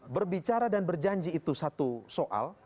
berbicara dan berjanji itu satu soal